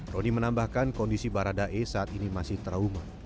roni menambahkan kondisi baradae saat ini masih trauma